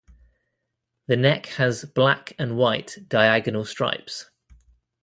The neck has black and white diagonal stripes.